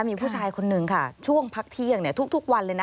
มีผู้ชายคนนึงค่ะช่วงพักเที่ยงทุกวันเลยนะ